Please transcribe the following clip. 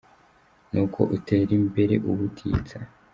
Nuko utere imbere ubutitsa.